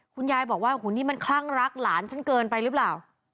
คุณยายบอกว่าโอ้โหนี่มันคลั่งรักหลานฉันเกินไปหรือเปล่า